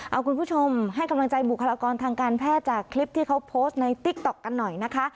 เอาคุณผู้ชมให้กำลังใจบุคลากรทางการแพทย์จากคลิปที่เขาโพสต์ในติ๊กต๊อกกันหน่อยนะคะ